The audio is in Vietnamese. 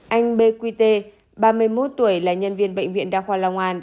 anh b q t ba mươi một tuổi là nhân viên bệnh viện đa khoa long an